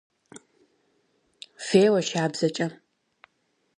Феуэ шабзэкӏэ!